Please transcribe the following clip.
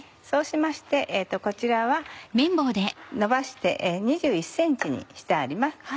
そうしましてこちらはのばして２１ｃｍにしてあります。